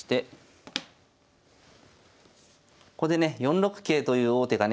ここでね４六桂という王手がね